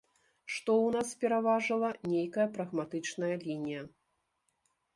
Што ў нас пераважыла нейкая прагматычная лінія.